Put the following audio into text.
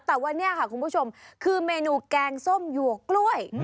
แต่ว่านี่ค่ะคุณผู้ชมคือเมนูแกงส้มหยวกกล้วย